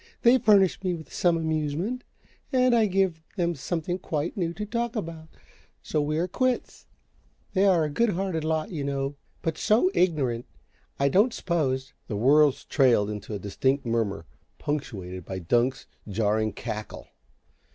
They furnish me with some amusement, and I give them something quite new to talk about, so we are quits. They are a good hearted lot, you know but SO ignorant! I don't suppose " The words trailed into an indistinct murmur, punctuated by Dunk's jarring cackle.